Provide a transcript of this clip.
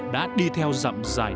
đã đi theo dặm dài